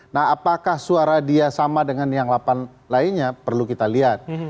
nah apakah suara dia sama dengan yang lapan lainnya perlu kita lihat